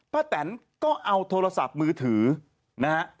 แตนก็เอาโทรศัพท์มือถือนะฮะ